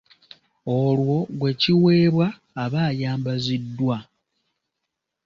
Olwo gwe kiweebwa aba ayambaziddwa.